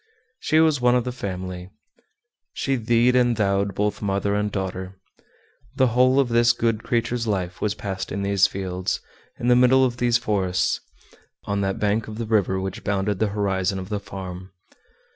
She was one of the family. She thee ed and thou ed both daughter and mother. The whole of this good creature's life was passed in these fields, in the middle of these forests, on that bank of the river which bounded the horizon of the farm.